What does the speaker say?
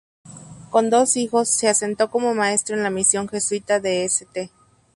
Con dos hijos, se asentó como maestro en la misión jesuita de St.